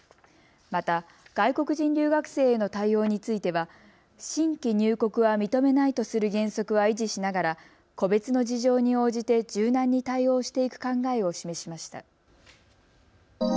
また外国人留学生への対応については新規入国は認めないとする原則は維持しながら個別の事情に応じて柔軟に対応していく考えを示しました。